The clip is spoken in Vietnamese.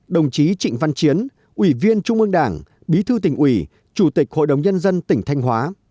đồng chí trịnh văn chiến ủy viên trung ương đảng bí thư tỉnh ủy chủ tịch hội đồng nhân dân tỉnh thanh hóa